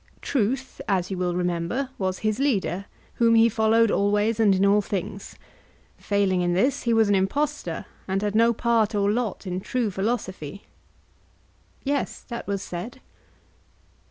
Truth, as you will remember, was his leader, whom he followed always and in all things; failing in this, he was an impostor, and had no part or lot in true philosophy. Yes, that was said.